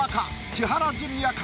千原ジュニアか？